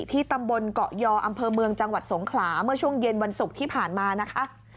ที่ตำบลเกาะยออำเภอเมืองจังหวัดสงขลาเมื่อช่วงเย็นวันศุกร์ที่ผ่านมานะคะ